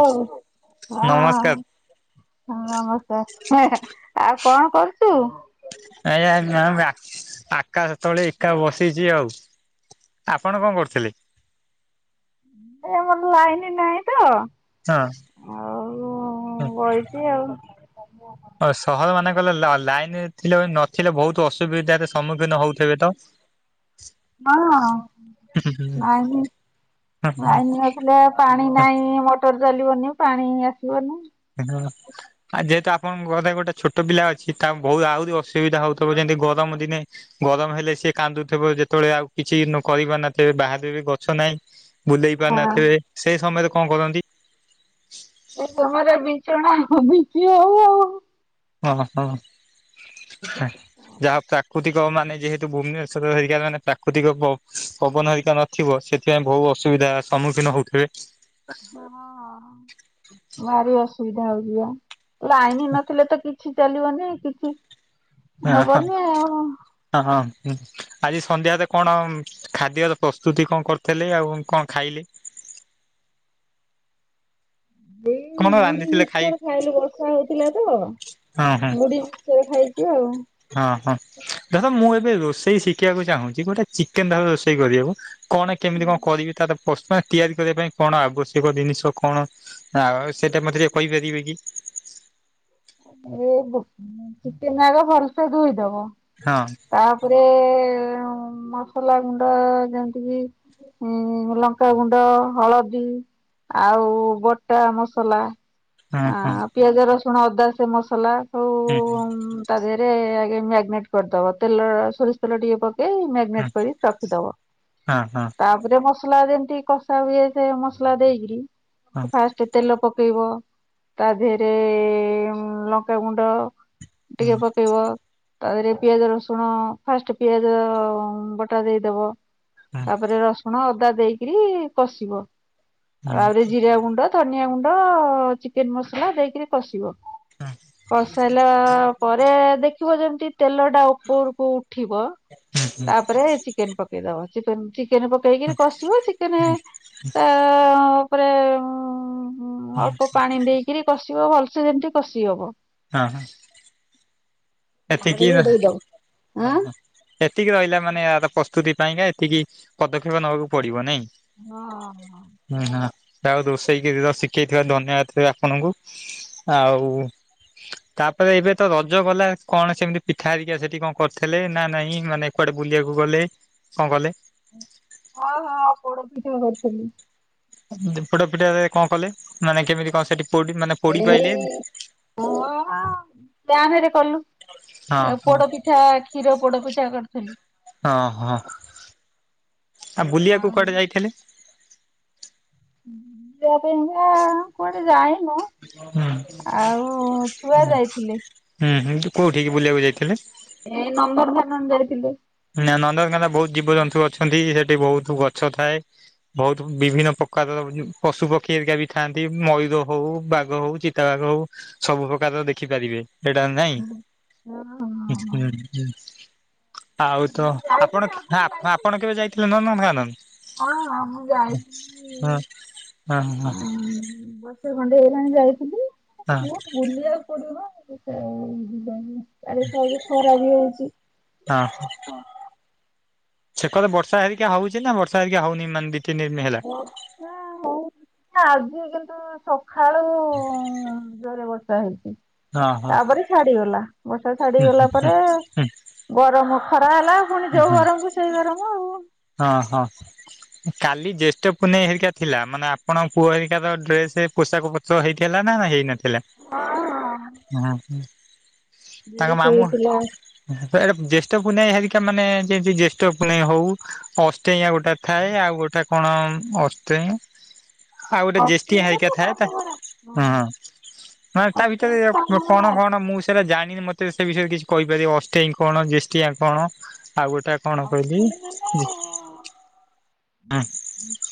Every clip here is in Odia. ହଉ ହଁ, ନମସ୍କାର ହଁ ନମସ୍ତେ! ହେଁ ହେଁ ଆଉ କଣ କରୁଛୁ? ଆଇଞା ଆଁ ୟୁ ଆକାଶ ତଳେ ଏକା ବସିଛି ଆଉ। ଆପଣ କଣ କରୁଥିଲେ? ଏ ଆମର ଲାଇନ୍ ନାହିଁ ତ, ହଁ। ଆଉ-ଉ-ଉଁ ବଇଚି ଆଉ। ଅ, ସହର ମାନେଙ୍କଲେ ଲ-ଲାଇନ୍ ଥିଲେ, ନଥିଲେ ବହୁତ ଅସୁବିଧାରେ ସମ୍ମୁଖୀନ ହଉଥିବେ ତ! ହଁଅ, ନାହିଁ। ନାଇନ୍ ନଥିଲେ, ପାଣି ନାଇଁ, ମଟର ଚାଲିବନି, ପାଣି ଆସିବନି। କାରନ ଆଉ ଯେହେତୁ ଆପଣଙ୍କ ଘରେ ଗୋଟେ ଛୋଟୋ ପିଲା ଅଛି ତା ବୋହୁ ଆହୁରି ଅସୁବିଧା ହୋଉଥବ ଯେମ ଏଇ ଗରମ ଦିନେ ଗରମ ହେଲେ ସେ କାନ୍ଦୁଥେବ ଯେତୋବୋଳେ ଆଉ କିଛି ନ କହିପାରୁନଥିବେ ବାହାରେ ବି ଗଛ। ତ ନାଇଁ ବୁଲେଇ ପାରିନଥିବେ ହଁ ସେଇ ସମୟରେ କଣ କରନ୍ତି। ଏ ତୁମର ବିଞ୍ଚଣା ବିଞ୍ଚି ହୋଉ ହୋଉ। ଅହଁ ନା ଯାହା ପ୍ରାକୃତିକ ଯ ମାନେ ଯେହେତୁ ଭୁବନେଶ୍ଵର ହରିକା ମାନେ ପ୍ରାକୃତିକ ପ ପବନ ହରିକା ନଥିବ ସେଥିପାଇଁ ବୋହୁ ଅସୁବି ସମ୍ମୁଖୀନ ହଉଥିବେ। ହଁ ଭାରି ଅସୁବିଧା ହୋଉଚି ପା ଲାଇନ ନଥିଲେ ତ କି ଛି ଚାଲିବନି କିଛି ହବନି ଆଉ। ହୁଁ, ଆଜି ସନ୍ଧ୍ୟାରେ କଣ ଖାଦ୍ୟର ପ୍ରସ୍ତୁତି କଣ କରିଥିଲେ, ଆଉ କଣ ଖାଇଲି? [unintelligible] ଏଇ ମୁଡି ଖାଇ ମିକ୍ସଚର ଖାଇଲୁ। ବର୍ଷା ହଉଥିଲା ତ! ହଁ ହଁ ମୁଢ଼ି ମିକ୍ସଚର ଖାଇଛି ଆଉ ହଁ, ଧର ମୁଁ ବେ ରୋଷେଇ ଶିଖିବାକୁ ଚାହୁଁଛି, ଗୋଟେ ଚିକେନ ଧର ରୋଷେଇ କରିବୁ, କଣ କେମିତି କଣ କରିବି ତାର? ପସ୍ ମ୍ୟାକ୍ ତିଆରି କରିବା ପାଇଁ କଣ ଆବଶ୍ୟକ ଜିନିଷ କଣ? ଆଉ ସେଇଟା ମତେ ଟିକେ କହିପାରିବେ କି? ଏ ବୋହଃ ଚିକେନ ଆଗ ଭଲସେ ଧୋଇଦବ। ହଁ ତାପରେ-ଏ-ଏ ମସଲା ଗୁଣ୍ଡ ଯେମିତିକି ହୁଁ, ଲଙ୍କାଗୁଣ୍ଡ, ହଳଦୀ, ଆଉ ବଟା ମସଲା ହଁ ଆ ହଁ ପିଆଜ, ରସୁଣ, ଅଦା ସେ ମସଲା ହୁଁ, ହୁଁ। ରେ ଆଗେ ମ୍ୟାଗନେଟ୍ କରିଦବ। ତେଲ-ଅ ସୋରିଷ ତେଲ ଟିକେ ପକ୍ ରେ ମ୍ୟାଗନେଟ୍ ହଁ କରି ରଖିଦବ। ହଁ ହଁ ତା'ପରେ ମସ ମସଲା ଯେମତି କଷା ହୁଏ, ସେ ମସଲା ଦେଇକିରି ହଁ ଫାଷ୍ଟ ତେଲ ପକ୍ ପକେଇବ। ତା ଦେହରେ-ଏ ଲଙ୍କାଗୁଣ୍ଡ ହୁଁ ଟିକେ ପକେଇବ। ତା'ପରେ ପିଆଜ ରସୁଣ! ଫାଷ୍ଟ ପିଆଜ ଅଁ ବଟା ଦେଇଦବ। ହୁଁ। ତା'ପରେ ରସୁଣ ଅଦା ଦେଇକରି କଷିବ। ହୁଁ ଆଉ ରେ ଜିରା ଗୁଣ୍ଡ, ଧନିଆ ଗୁଣ୍ଡ -ଅ, ଚିକେନ ମସଲା ଦେଇକରି କଷିବ କସ୍ ସାଇଲା-ଆ ପରେ ଦେଖିବ, ଯେମିତି ତେଲ ଟା ଉପରକୁ ଉଠ ଉଠିବ। ତା'ପରେ ଚିକେନ ପକେଇଦବ। ଚିକେନ୍ ଚି ଚିକେନ ପକେଇକିରି କଷିବ। ଚିକେନେ ତା-ଆଁ ଉଁପରେ ଉ-ଉଁ ହୁଁ, ଅଳ୍ପ ପାଣି ଦେଇକିରି କଷିବ। ଭଲସେ ଯେମିତି କଷି ହବ। ହଁ, ହଁ। ତାପରେ ଏତିକିିରେଁହ, ଘୋଡେଇ ଦବ ଅ ଆଁ। ହଁ ଏ ଏତିକି ରହିଲା ମାନେ, ଏହାର ପ୍ରସ୍ତୁତି ପାଇଁକା ଏତିକି ପଦକ୍ଷେପ ନେବାକୁ ପଡିବ ନାଇଁ। ହଁ, ହଁ। ଆଉ, ରୋଷେଇକିରି ର ଶିଖେଇଥିବାରୁ ଧନ୍ୟବାଦ ଆପଣଙ୍କୁ! ଆଉ ତା'ପରେ ଏବେ ତ ରଜ ଗଲା! କଣ ସେମିତି ପିଠା ହେରିକା ସେଠି କଣ କରିଥିଲେ ନା ନାଇଁ? ମାନେ, କୁଆଡେ ବୁଲିବାକୁ ଗଲେ କଣ କଲେ? [unintelligible] ହଁ ହଁ ପୋଡ ପିଠା କରିଥିଲି। ପୋଡ଼ ପିଠା ରେ କଣ କଲେ? ନା ନାଇଁ କେମିତି କଣ ସେଠି? ପୋଡି ମାନେ ପୋଡି ପାଇଲେ? ଟାହାଁ ରେ ହଁ କଲୁ। ହଁ ପୋଡପିଠା କ୍ଷୀର ପୋଡ ପିଠା କରିଥିଲି। ହଁ ହଁ। ଆଉ ବୁଲିବାକୁ କୁଆଡେ ଯାଇଥିଲେ? [unintelligible] ନୁହଁ କୁଆଡେ ଯାଇନୁ। ଆଉ ଛୁଆ ଯାଇଥିଲେ। ହୁଁ ହୁଁ କୋଉଠିକି ବୁଲିବାକୁ ଯାଇଥିଲେ? ଏ ନନ୍ଦନକାନନ ଯାଇଥିଲୁ। ନା ନନ୍ଦନକାନନ ବହୁତ ଜୀବଜନ୍ତୁ ଅଛନ୍ତି। ସେଠି ବହୁତ ଗଛ ଥାଏ ବହୁତ ବିଭିନ୍ନ ପକ୍ [unintelligible] ପଶୁ ପକ୍ଷୀ ହେରିକା ବି ଥାନ୍ତି। ମୟୂର ହଉ ବାଘ ହଉ ଚିତାବାଘ ହଉ ସବୁ ପ୍ରକାର। ଆରର ଦେଖିପାରିବେ ଏଇଟା ନାଇଁ ହଁ ହଁ ହଁ। ଆଉ ତ ମୁଁ ଆପଣ ଯାଇଥିଲି ଆଗରୁ ଆପ୍ ଯାଇଥିଲି ଆପଣ କେବେ କିନ୍ତୁ ଯାଇଥିଲେ ନନ୍ଦନକାନନ? ହଁ ହଁ ମୁଁ ହୁଁ ଯାଇଥିଲି ହଁ ହ ହଁ। ଉଁ ବର୍ଷେ ଖଣ୍ଡେ ହେଲାଣି ଯାଇଥିଲି ହଁ ବହୁତ ବୁଲିଆକୁ ପଡିବ। ଆରେ ଖାଲି ଖରା ଇଏ ହଉଚି। ସେ କରେ ବର୍ଷା ହେରିକା ହଉଚି ନା ବର୍ଷା ହେରିକା ହଉନି ମାନ୍ ବି ଆଜି କେମ୍ ତ ସକାଳୁ ଜୋରେ ବର୍ଷା ହେଇଚି ହଁ ହଁ ତାପରେ ଛାଡିଗଲା। ବର୍ଷା ହୁଁ ହୁଁ ଛାଡିଗଲା ହୁଁ ପରେ ହୁଁ ଗରମ ଖରା ହେଲା ପୁଣି ହୁଁ ଯୋଉ ଗରମକୁ ସେଇ ଗରମ। ଆଉ। ହଁ ହଁ କାଲି ଜ୍ୟେଷ୍ଠ ପୁନେଇଁ ହେରିକା ଥିଲା ମାନେ ଆପଣଙ୍କ ପୁଅ ହେରିକାର ଡ୍ରେସ୍ ସେ ପୋଷାକ ପତ୍ର ହେଇଥିଲା ନା ନା ହେଇନଥିଲା? ହଁ ହଁ ଉହୁଁ। ତାଙ୍କ ଡ୍ରେସ ମାମୁଁ ହେଇଥିଲା ଏଟା ଜ୍ୟେଷ୍ଠ ପୁନେଇଁ ହେରିକା ମାନେ ଯେମିତି ଜ୍ୟେଷ୍ଠ ପୁନେଇଁ ହଉ। ଅଷ୍ଟେଇଁଆ ଗୋଟାଏ ଥାଏ ଆଉ ଗୋଟାଏ କଣ ଅଷ୍ଟେଇଁ। ଆଉ ଗୋଟେ ଜ୍ୟେଷ୍ଠିଆଁ ଅଷ୍ଟମୀରେ ହେରିକା ତ ଥାଏ ତା ମାମୁଁ ଘର ହଁ ହୁଁଁ। ମାନେ ତା ଭିତରେ ଅଷ୍ଟମୀରେ ମାମୁଁ ଘର କଣ କଣ ଆସିଛି। ମୁଁ ସେଇଟା ଜାଣିନି ମତେ ସେ ବିଷୟରେ କିଛି କହିପାରିବ ଅଷ୍ଟେଇଁ କଣ ଜ୍ୟେଷ୍ଠିଆ କଣ ଆଉ ଗୋଟାଏ କଣ କହିଲି? ହଁ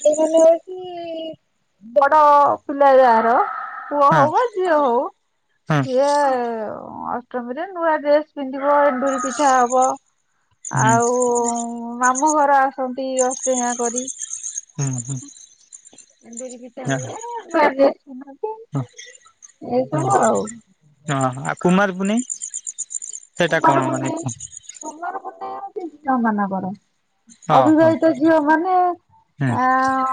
ସେମାନେ ଅଛି। ବଡ ପିଲା ଯାହାର ପୁଅ ହଁ ହଉ ବା ଝିଅ ହଉ। ହଁ ସିଏ ଅଷ୍ଟମୀରେ ନୂଆ ଡ୍ରେସ ପିନ୍ଧିବ ର ଏଣ୍ଡୁରି ପିଠା ହବ। ହୁଁ ଆଉ ଉଁ ମାମ୍ ଆମ ଘର ଆସନ୍ତି ଅଷ୍ଟେୟାଁ କରି ହୁଁ ହୁଁ। ଏଣ୍ଡୁରି ପିଠା ହଁ ହୁଏ। [unintelligible] ସମତେ ହଁ ଏସବୁ ହଁ ଆଉ। ଆଉ କୁମାର ମାନେ ସେଇଟା ତୁମର କଣ ମୁଣ୍ଡେଇ କୁହ ତୁମର ମୁଣ୍ଡେଇର ଝିଅ ମାନଙ୍କର ହଁ ହଉ ଅବିବାହିତ ଝିଅ ମାନେ ହୁଁ ଆଁ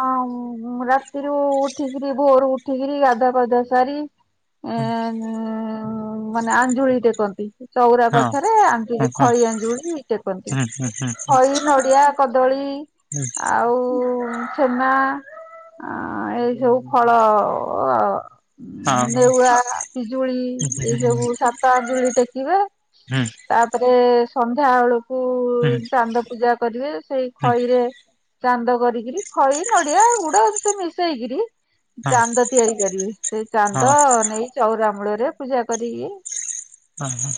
ଆମ୍ ମୁଁ ରାତିରୁ ଉଠିକିରି ଭୋରୁ ଉଠିକିରି ଗାଧୁଆ ପାଧୁଆ ସାରି ଏ ହୁଁ ମାନେ ଆଞ୍ଜୁଳି ଟେକନ୍ତି। ଚଉରା ହଁ ପାଖରେ ଆଞ୍ଜୁଳି ହଁ ହଁ ଖଇ ଆଞ୍ଜୁଳି ଟେକନ୍ତି। ହୁଁ ହୁଁ ହୁଁ ହୁଁ ହୁଁ ଖଇ ନଡିଆ କଦଳୀ ଆଉ ଛେନା ଆଁ ଏଇ ସବୁ ଫଳ ଅ ଅ ଅ ଅ। ହଁ ହଁ ନେଉଆ ପିଜୁଳି ହୁଁ ଏଇ ହୁଁ ହୁଁ ସବୁ ସପ ଆଞ୍ଜୁଳି ଟେକ୍ କିବା ହଁ ତାପରେ ସନ୍ଧ୍ୟାବେଳୁ କୁ ଚାନ୍ଦ ପୂଜା କରିବେ ସେଇ ହଁ ଖଇରେ ଚାନ୍ଦ କରିକିରି ଖଇ ନଡିଆ ଗୁଡ ଏମତି ସବୁ ମିଶେଇକିରି ଚାନ୍ଦ ତିଆରି କରିବି ସେଇ ହଁ ଚାନ୍ଦ ହଁ ନେଇ ଚଉରାମୂଳରେ ରେ ପୂଜା କରିକି ଅଁ ହଁ।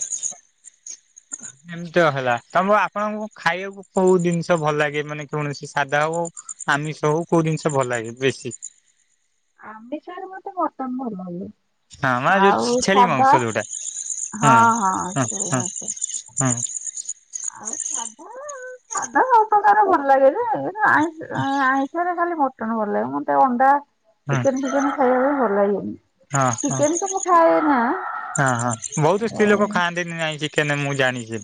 ଏମତିଆ ହେଲା ତମ ଆପଣଙ୍କୁ ଖାଇବାକୁ କୋଉ ଜିନିଷ ଭଲ ଲାଗେ ମାନେ କୌଣସି ସାଦା ହଉ। ଉ ଆମିଷ ହଉ କୋଉ ଜିନିଷ ଭଲ ଲାଗେ ବେଶୀ। ଆମିଷ ରେ ମତେ ମଟନ ଭଲ ଲାଗେ ହଁ ମା ଯୋଉ ଆଉ ଛେଳି ସାଧା ମାଂସ ଯୋଉଟା ହଁ ହଁ ସେ ଆଛ। ହଁ ଆଉ ସାଧା ସାଧା ସବୁ ପ୍ରକାର ଭଲ ଲାଗେ ଯେ ଆଇଁ ଆଇଁଷିରେ ଖାଲି ମଟନ୍ ଭଲ ଲାଗେ, ମତେ ଅଣ୍ଡା ହଁ ଚିକେନ ଫିକେନ ଖାଇବା ପାଇଁ ଭଲ ଲାଗେନି। ହଁ ହଁ ଚିକେନ ତ ମୁଁ ଖାଏ ହଁ ହଁ ବହୁତ ସ୍ତ୍ରୀ ଲୋକ ନା ଖାଆନ୍ତିନି ଆଇଁଷି କେନେ ମୁଁ ଜାଣିଚି।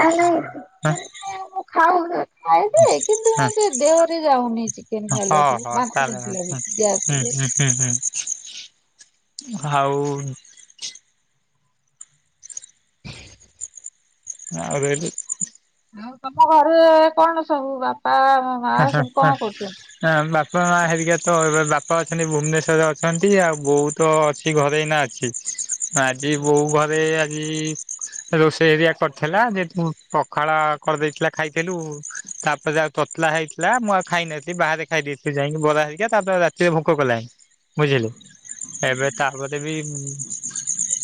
ନାଇଁ ନାଇଁ ଚିକେନେ ମୁଁ ଖାଉ ଖାଏ ଯେ କିନ୍ତୁ ହଁ ମତେ ଦେହରେ ଯାଉନି ଚିକେନ ହଁ ଖାଇଲାଠୁ ହଁ ବାନ୍ତି ତାହେଲେ ବାନ୍ତି ହୁଁ ଲାଗୁଚି ଗ୍ୟାସ ହେଇ ହୁଁ ହୁଁ ହୁଁ ଆଉ [unintelligible] ଆଉ ତମ ଘରେ କଣ ସବୁ ବାପା ଓ ମା ସବୁ କଣ କରୁଚନ୍ତି? ବାପା ମା ହେରିକା ତ ଏବେ ବାପା ଅଛନ୍ତି ଭୁବନେଶ୍ଵରରେ ଅଛନ୍ତି। ଆଉ ବୋଉ ତ ଅଛି ଘରେ ଏଇନା ଅଛି। ଆଜି ବୋଉ ଘରେ ଆଜି ରୋଷେଇ ହେରିଆ କରିଥେଲା, ଯେ ପୁଁ ପଖାଳ କରିଦେଇଥିଲା ଖାଇଥେଲୁ ତାପରେ ଆଉ ତତଲା ହେଇଥିଲା ମୁଁ ଆଉ ଖାଇନଥିଲି ବାହାରେ ଖାଇଦେଇଥିଲି ଯାଇଁକି ବରା ହେରିକା ତାପରେ ଆଉ ରାତିରେ ଭୋକ କଲାନି। ବୁଝିଲେ ଏବେ ତାପରେ ବି ଇମ୍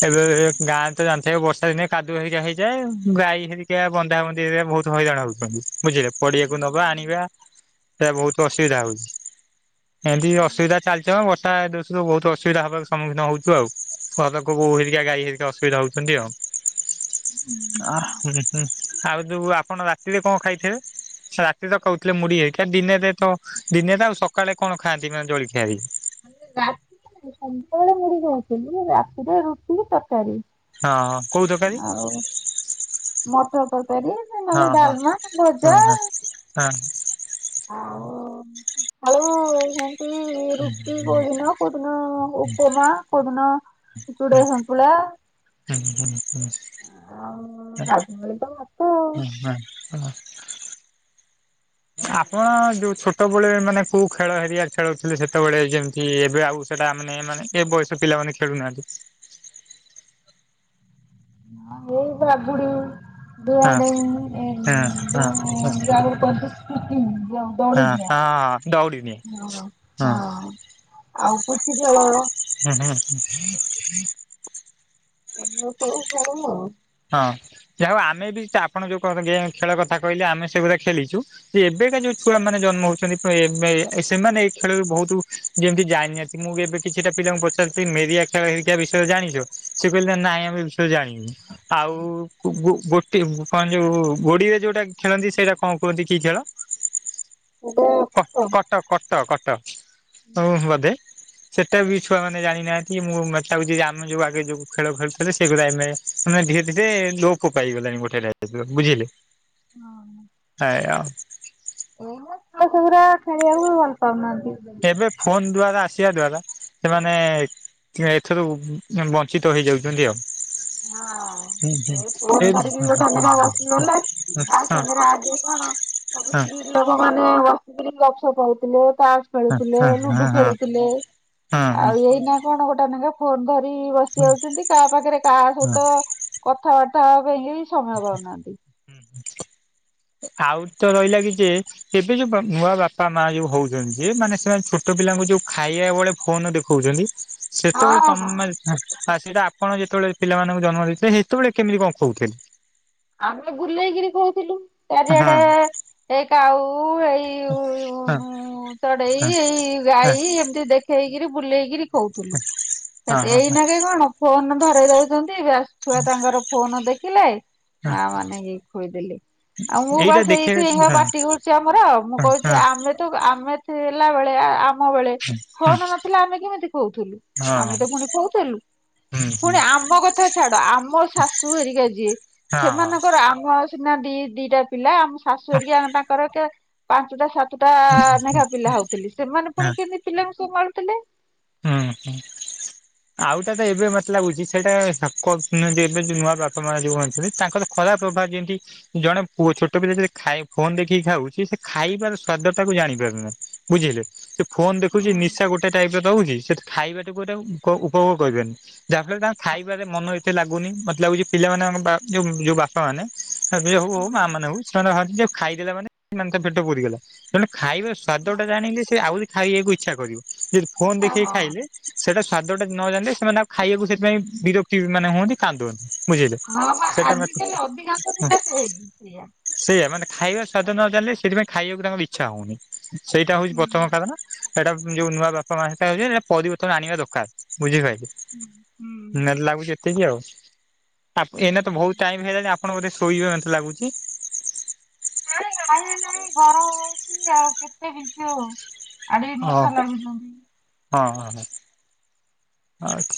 ଏବେ ଗାଁରେ ତ ଜାଣିଥିବେ ବର୍ଷା ଦିନେ କାଦୁଅ ହେରିକା ହେଇଯାଏ ଗାଈ ହେରିକା ବନ୍ଧା ବନ୍ଧିରେ ବହୁତ ହଇରାଣ ହଉଚନ୍ତି ବୁଝିଲେ ପଡିଆକୁ ନବା ଆଣିବା ଏ ବହୁତ ଅସୁବିଧା ହଉଚି। ଏମତି ଅସୁବିଧା ଚାଲିଚି ଅ ବର୍ଷା ଦୋଷ ରୁ ବହୁତ ଅସୁବିଧା ହବାକୁ ସମ୍ମୁଖୀନ ହଉଚୁ ଆଉ ସରକୋଉ ବୋଉ ହେରିକା ଗାଈ ହେରିକା ଅସୁବିଧା ହଉଚନ୍ତି ଆଉ। ଅ ହୁଁ ହୁଁ ଆଉ ଯୋଉ ଆପଣ ରାତିରେ କଣ ଖାଇଥେବେ ରାତ୍ ସେ ତ କହୁଥିଲେ ମୁଡି ହେରିକା ଦିନେରେ ତ ଦିନେରେ ଆଉ ସକାଳେ କଣ ଖାଆନ୍ତି ମାନେ ଜଳିଖିଆ ବି? ରାତି ସନ୍ଧ୍ୟାବେଳେ ମୁଢି ଖାଉଥିଲୁ ରାତିରେ ରୁଟି ତରକାରୀ। ହଁ କୋଉ ତରକାରୀ? ଆଉ ମଟର ତରକାରୀ ନହେଲେ ହଁ ହଁ ଡାଲମା ଭଜା। ହଁ ହଁ ହଁ ଆଉ ଆଳୁ ସେଇ ରୁଟି କୋଉ ଦିନ କୋଉ ଦିନ ଉପମା କୋଉ ଦିନ ଚୁଡ଼ା ହୁଁ ସନ୍ତୁଳା। ହୁଁ ହୁଁ ହୁଁ ଆଉ ହ ଗାଧୁଆବେଳେ ତ ଭାତ ଆଉ। ହୁଁ ହଁ ହଁ। ଆପଣ ଯୋଉ ଛୋଟବେଳେ ମାନେ କୋଉ ଖେଳ ହେରିଆ ଖେଳୁଥିଲେ ସେତେବେଳେ ଯେମିତି ଏବେ ଆଉ ସେ ତା ମାନେ ଏମାନେ ଏ ବୟସ ପିଲାମାନେ ଖେଳୁନାହାନ୍ତି। ହଁ ଏଇ ବାଗୁଡି। ହଁ। [unintelligible] ହଁ ହଁ ହଁ ଦଉଡ଼ିି ହଁ ଡିଆଁ ଆଉ ପୁଚି ଖେଳ ହଁ। ହୁଁ ହୁଁ ହ। ଏଇ ସବୁ ଖଳୁ ଆଉ। ହଁ। ଯାହା ହଉ ଆମେ ବି ତ ଆପଣ ଯୋଉ କର ଗେମ୍ ଖେଳ କଥା କହିଲେ ଆମେ ସେଗୁଡା ଖେଳିଚୁ ଯେ ଏବେକା ଯୋଉ ଛୁଆମାନେ ଜନ୍ମ ହଉଚନ୍ତି ପୁଣ୍ ଏମ୍ଏ ସେମାନେ ଏଇ ଖେଳରେ ବହୁତୁ ଯେମତି ଜାଣିନାହାତି ମୁଁ ବି ଏବେ କିଛିଟା ପିଲାଙ୍କୁ ପଚା ରିଚି ମେରିଆ ଖେଳ ହେରିକା ବିଷୟରେ ଜାଣିଚୁ, ସେ କହିଲା ନାଇଁ ଆମେ ଏ ବିଷୟରେ ଜାଣିନୁ। ଆଉ ଗୋ ଗୋଟେ କଣ ଯୋଉ ଗୋଡିରେ ଯୋଉଟା ଖେଳନ୍ତି ସେଇଟା କଣ କୁହନ୍ତି କି ଖେଳ? [inaudible] କଟ କଟ [unintelligible] କଟ କଟ ହୁଁ ବଧେ। ସେଇଟା ବି ଛୁଆ ମାନେ ଜାଣିନାହାନ୍ତି ମୁଁ ମେତେ ଆଗୁଛି ଯେ ଆମ ଯୋଉ ଆଗେ ଯୋଉ ଖେଳ ଖେଳୁଥିଲେ ସେଗୁଡ଼ା ଏମେ ତମେ ଧୀରେ ଧୀରେ ଲୋକ ପାଇଗଲାଣି ଗୋଟେ ଟାଇପ ର ବୁଝିଲେ। ହେ ଆଉ। ଏଇଆ ଛୁଆ ସେଉରା ଖାଆବାକୁ ଭଲ ପାଉନାହାଁନ୍ତି। ଏବେ ଫୋନ୍ ଦ୍ଵାରା ଆସିବା ଦ୍ଵାରା ସେମାନେ ଏଥରୁ ବଞ୍ଚିତ ହେଇଯାଉଚନ୍ତି ଆଉ। ହଁ ହୁଁ ହୁଁ ସେଇ ଏ ଫୋନ ଧରିକି ହଁ ଗୋଟାଏ ହଁ ଦିଇଟା ହଁ ବସିଗଲେ। ହଁ ତା ହଁ ସାଙ୍ଗରେ ଆଦେଇ କଣ, ସବୁ ହଁ ସ୍ତ୍ରୀ ଲୋକ ମାନେ ବସିକିରି ରହୁଥିଲେ ତାସ ଖେଳୁଥିଲେ ହଁ ହଁ ଲୁଡୁ ଖେଳୁଥିଲେ, ହଁ ହଁ ଆଉ ଏଇନା କଣ ଗୋଟେ ନେଖା ଫୋନ ଧରି ବସି ହଁ। ଯାଉଚନ୍ତି। କାହା ପାଖରେ କାହା ସହିତ କଥାବାର୍ତ୍ତା ହବା ପାଇଁ କି ସମୟ ପାଉ ନାହାଁନ୍ତି। [inaudible] ଆଉ ତ ରହିଲା କି ଯେ ଏବେ ଯୋଉ ବା ନୂଆ ବାପା ମା ଯୋଉ ହଉଚନ୍ତି ଯିଏ ମାନେ ସେମାନେ ଛୋଟ ପିଲାଙ୍କୁ ଯୋଉ ଖାଇବା ବେଳେ ଫୋନ ଦେଖଉଚନ୍ତି। ସେତେବେଳେ ହଁ ହଁ ତମେ, ଆ ସେଇଟା ଆପଣ ଯେତେବେଳେ ପିଲାମାନଙ୍କୁ ଜନ୍ମ ଦେଇଥିଲେ ସେତେବେଳେ କେମିତି କଣ ଖୋଉଥିଲେ। ଆମେ ବୁଲେଇକିରି ଖୋଉଥିଲୁ ହଁ ତାରିଆଡେ ଏ କାଉ କୁ ଏଇ ଉ ହଁ ଊ ଚଢେଇ ହଁ ଏଇ ହଁ ଗାଈ ଏମିତି ଦେଖେଇକିରି ବୁଲେଇକିରି ଖୋଉଥିଲୁ। ହଁ ହଁ ଏଇନା କେ କଣ ଫୋନ ଧରାଇ ଦଉଚନ୍ତି। ବାସ୍ ଛୁଆ ତାଙ୍କର ଫୋନ ଦେଖିଲେ ହଁ। ମା ମାନେ ଏଇ ଖୋଇଦେଲେ। ଆଉ ମୁଁ ବା ଏଇଟା ସେଇଥି ଦେଖେଇବେ ପାଇଁକା ହଁ ପାଟି କରୁଚି ଆମର। ମୁଁ ହଁ କହୁଚି ହଁ ଆମେ ତ ଆମେ ହେଲା ଭଳିଆ ଆମ୍ ମ ବେଳେ ହଁ ଫୋନ୍ ନଥିଲା ଆମେ କେମିତି ଖୋଉଥିଲୁ। ଆମେ ତ ପୁଣି ଖୋଉଥିଲୁ। ହଁ ପୁଣି ଆମ କଥା ଛାଡ, ଆମ ଶାଶୁ ହେରିକା ଯିଏ ହଁ ହଁ ସେମାନଙ୍କର ଆମ ସିନା ଦି ଦିଟା ପିଲା, ଆମ ଶାଶୁହରିକା ତାଙ୍କର କେ ପାଞ୍ଚୁ ଟା ସାତୁଟା ନେଖା ପିଲା ହଉଥିଲେ। ସେମାନେ ପୁଣି କେମତି ପିଲାଙ୍କୁ ସମ୍ଭାଳୁଥିଲେ। ହୁଁ ହୁଁ। ଆଉଟା ତ ଏବେ ମତେ ଲାଗୁଚି, ସେଇଟା ସାକ ଏବେ ଯୋଉ ନୂଆ ବାପା ମାନେ ଯୋଉ ଅଛନ୍ତି ତାଙ୍କର ଖରାପ ପ୍ରଭାବ, ଯେମିତି ଜଣେ ପୁଅ ଛୋଟ ପିଲା ଯଦି ଖାଇ ଫୋନ ଦେଖିକି ଖାଉଚି। ସେ ଖାଇବାର ସ୍ଵାଦ ଟାକୁ ଜାଣିପାରୁନାହିଁ ବୁଝିଇଲେ, ସେ ଫୋନ୍ ଦେଖୁଚି ହୁଁ ନିଶା ଗୋଟେ ଟାଇପର ସେଟା ଖାଇବାଟାକୁ ଏଟାକୁ କ ଉପଭୋଗ କରିପାରୁନି। ଯାହାଫଳରେ ତାଙ୍କ ଖାଇବାରେ ମନ ଏତେ ଲାଗୁନି, ମତେ ଲାଗୁଚି ପିଲା ଯଉ ମାନେ ଆମ ବାଧ୍ୟ ଯୋ ଯୋଉ ବାପା ମାନେ [unintelligible] ହଉ ହଉ ହୁଁ ମା ମାନେ ହଉ ସେମାନେ ଭାବନ୍ତି ଯେ ଖାଇଦେଲା ମାନେ ସେ ମାନେ ତା ପେଟ ପୁରିଗଲା। ଜଣେ ଖାଇବା ସ୍ଵାଦ ହୁଁ। ଟା ଜାଣିଲେ ସେ ଆହୁରି ଖାଇବାକୁ ଇଚ୍ଛା କରିବ। ଯଦି ଫୋନ ଇଚ୍ଛା ଦେଖେଇ ହଁ ଖାଇଲେ ସେଇଟା ସ୍ଵାଦଟା ନ ଜାଣିଲେ, ସେମାନେ ଆଉ ଖାଇବାକୁ ସେଥିପାଇଁ ବିରକ୍ତି ମାନେ ହୁଅନ୍ତି କାନ୍ଦୁଅନ୍ତି। ବୁଝିଲେ ହଁ ବା ସେଇଟା ମାନେ, ଆଜିକାଲି ଅଧିକାଂଶ ପିଲା ସେଇ ସେଇଆ। ସେଇଆା ମାନେ ଖାଇବା ସ୍ଵାଦ ନ ଜାଣିଲେ ସେଥିପାଇଁ ଖାଇବାକୁ ତାଙ୍କର ଇଚ୍ଛା ହଉନି। ସେଇଟା ହଉଚି ହୁଁ ପଥମ କାରଣ। ସେଇଟା ଯୋଉ ନୂଆ ବାପା ମା ସେଟା ହୋଇଛି ପରିବର୍ତ୍ତନ ଆଣିବା ଦରକାର ବୁଝିପାଲେ। ହୁଁ ହୁଁ। ଏତିକି ଆଉ, ଆ ଏନାତ ବହୁତ ଟାଇମ ହେଇଗଲାଣି ଆ ଆପଣ ବୋଧେ ଶୋଇବେ ମୋତେ ଲାଗୁଚି। ନାଇଁ ଲାଇନ ନାଇଁ ଗରମ ହଉଚି ଆଉ କେତେ ବିଞ୍ଚିହବୁ। ଆଡେ ହଁ ମଶା ଲାଗୁଚନ୍ତି। ହଁ ହଁ ହଁ ଆଛା।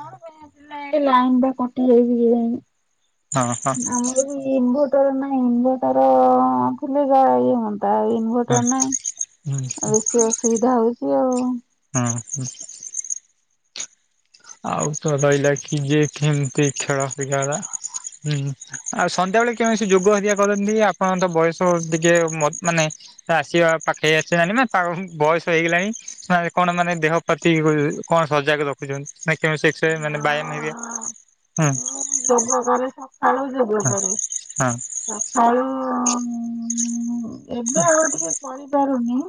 କଣ ପାଇଁ [unintelligible] ଲାଇନ ବା କଟି ଯାଇଚି କେୟାଣି, ହଁ ହଁ ଆମର ବି ଇନଭୋ ଟର ନାଇଁ ଇଁଭର୍ତର [unintelligible] ଇଏ ହୁଅ। ତା ଇନଭଟର ହଁ ନାଇଁ ହୁଁ ଆଉ ବେଶୀ ଅସୁବିଧା ହଉଚି ଆଉ। [inaudible] ଆଉ ତ ରହିଲା କି ଯିଏ କେମିତି ଖେଳ ପିଲାଗୁଡ଼ା ହୁଁ ଆଉ ସନ୍ଧ୍ୟାବେେଳେ କେମିତି ସେ ଯୋଗ ହରିଆ କରନ୍ତି। ଆପଣ ତ ବୟସ ଟିକେ ମ ମାନେ ଆସିବା ପାଖେଇ ଆସିବ ମାନେ ତା ବୟସ ହେଇଗଲାଣି ସେମାନେ କଣ ମାନେ ଦେହ ପ୍ରତି କୋ ଉ କଣ ସଜାକ ରଖିଚନ୍ତି ନା କେବଳ ସେ ଏକ୍ସସାଇଜ ମାନେ ବ୍ୟାୟାମ ହଁ ହରିକା ଯୋଗ କରେ ସକାଳୁ ଯୋଗ ହଁ କରେ। ହଁ। ସକାଳୁ ଏବେ ଆଉ ଟିକେ କରିପାରୁନି।